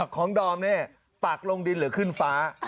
ของดอมนี่ปักลงดินหรือขึ้นฟ้า